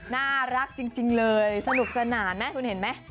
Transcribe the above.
น่ารักจริงเลยสนุกสนานไหมคุณเห็นไหม